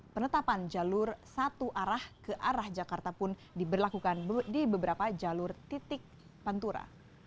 penetapan jalur satu arah ke arah jakarta pun diberlakukan di beberapa jalur titik pantura